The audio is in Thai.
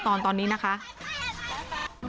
ขอบคุณพี่ที่ข่วยลูก